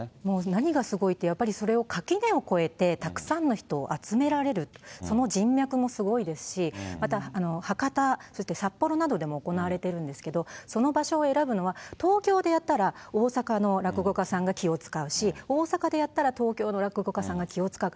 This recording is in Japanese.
何がすごいって、やっぱりそれを、垣根を越えて、たくさんの人を集められる、その人脈がすごいですし、また博多、そして札幌などでも行われてるんですけれども、その場所を選ぶのは、東京でやったら、大阪の落語家さんが気を遣うし、大阪でやったら東京の落語家さんが気を遣う。